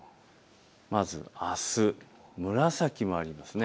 まずあす、紫もあります。